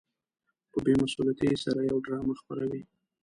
په بې مسؤليتۍ سره يوه ډرامه خپروي.